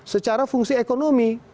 secara fungsi ekonomi